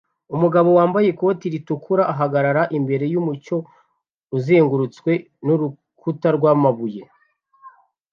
Umugabo wambaye ikote ritukura ahagarara imbere yumucyo uzengurutswe nurukuta rwamabuye